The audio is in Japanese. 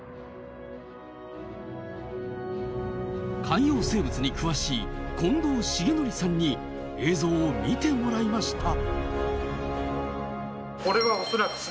海洋生物に詳しい近藤茂則さんに映像を見てもらいました。